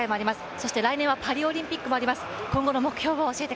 そして来年にはパリオリンピックもあります。